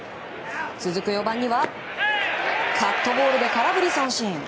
続く４番にはカットボールで空振り三振。